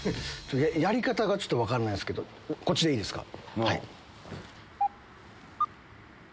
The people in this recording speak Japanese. やり方が分かんないんすけどこっちでいいですか？